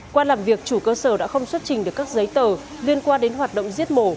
qua làm việc chủ cơ sở đã không xuất trình được các giấy tờ liên quan đến hoạt động giết mổ